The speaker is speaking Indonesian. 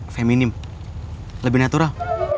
feminim lebih natural